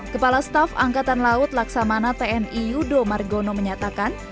kepala staf angkatan laut laksamana tni yudo margono menyatakan